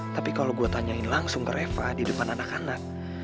tapi kalau gue tanyain langsung ke reva di depan anak anak